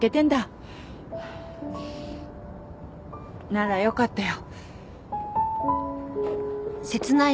ならよかったよ。